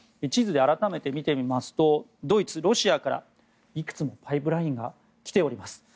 地図で改めて見てみますとドイツ、ロシアからいくつもパイプラインが来ております。